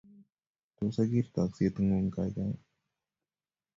Tos ager takset ngu`ng kaikai?